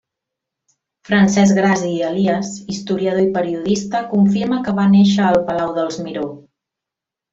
Francesc Gras i Elies, historiador i periodista, confirma que va néixer al Palau dels Miró.